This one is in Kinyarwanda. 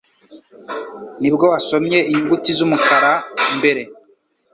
Nibwo wasomye inyuguti z'umukara mbere